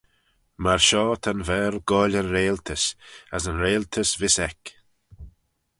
Myr shoh ta'n Vaarle goaill yn reiltys as yn reiltys vees eck.